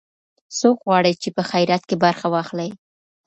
څوک غواړي چې په خیرات کې برخه واخلي؟